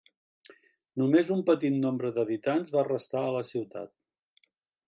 Només un petit nombre d'habitants va restar a la ciutat.